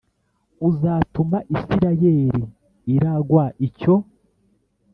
uzatuma Isirayeli iragwa icyo